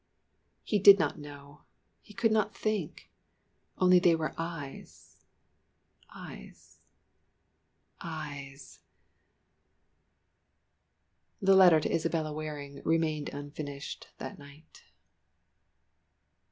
He did not know, he could not think only they were eyes eyes eyes. The letter to Isabella Waring remained unfinished that night.